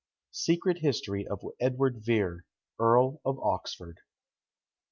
SECRET HISTORY OF EDWARD VERE, EARL OF OXFORD.